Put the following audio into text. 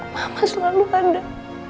mama selalu ada